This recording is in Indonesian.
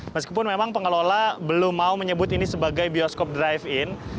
meskipun memang pengelola belum mau menyebut ini sebagai bioskop drive in